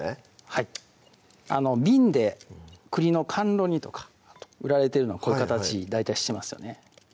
はい瓶で栗の甘露煮とか売られてるのこういう形大体してますよね